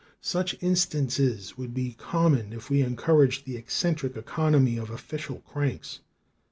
"Such instances would be common if we encouraged the eccentric economy of official cranks.